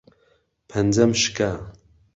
پەنجەم شکا.